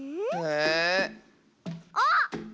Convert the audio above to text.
あっ！